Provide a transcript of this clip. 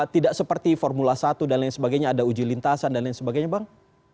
tidak seperti formula satu dan lain sebagainya ada uji lintasan dan lain sebagainya bang